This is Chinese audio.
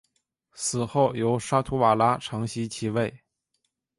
死后由沙图瓦拉承袭其位。